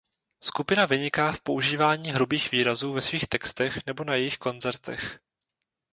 Skupina vyniká v používání hrubých výrazů ve svých textech nebo na jejich koncertech.